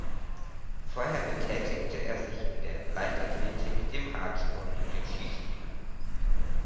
Vorher betätigte er sich in der Leichtathletik, dem Radsport und dem Skispringen.